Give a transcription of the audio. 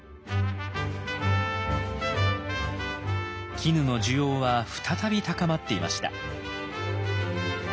絹の需要は再び高まっていました。